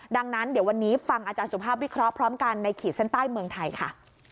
ดังนั้นเดี๋ยววันนี้ฟังอาจารย์สุภาพวิเคราะห์พร้อมกันในขีดเส้นใต้เมืองไทยค่ะ